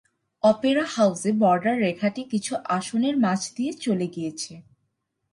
Opera হাউজে border রেখাটি কিছু আসনের মাঝ দিয়ে চলে গিয়েছে।